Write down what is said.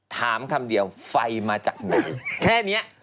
ถามคำเดียวไฟมาจากไหนแค่นี้